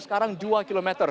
sekarang dua km